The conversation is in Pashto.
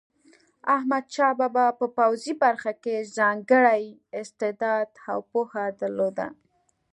احمدشاه بابا په پوځي برخه کې ځانګړی استعداد او پوهه درلوده.